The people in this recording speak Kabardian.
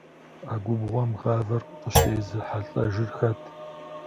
А губгъуэм гъавэр къыщезыхьэлӏэжыр хэт?